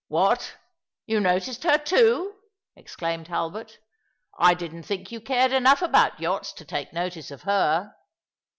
" What, yon noticed her too ?" exclaimed Hulbert. " I didn't think you cared enough about yachts to take notice of her.